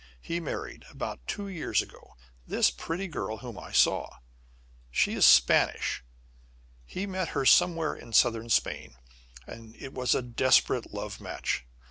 He married, about two years ago, this pretty girl whom I saw. She is Spanish. He met her somewhere in Southern Spain, and it was a desperate love match.